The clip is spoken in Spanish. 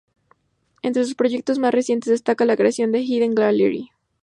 Entre sus proyectos más recientes destaca, la creación de "Hidden Gallery".